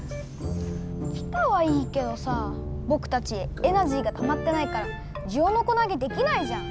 来たはいいけどさボクたちエナジーがたまってないからジオノコなげできないじゃん。